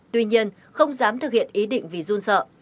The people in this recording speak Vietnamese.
tuy nhiên không dám thực hiện ý định vì run sợ